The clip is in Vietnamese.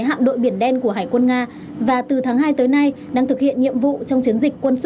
hạm đội biển đen của hải quân nga và từ tháng hai tới nay đang thực hiện nhiệm vụ trong chiến dịch quân sự